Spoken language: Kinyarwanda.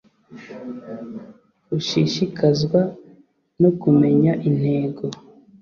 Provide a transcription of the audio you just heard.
ushishikazwa no kumenya intego